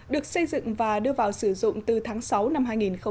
được xây dựng và đưa vào sử dụng từ tháng sáu năm hai nghìn một mươi chín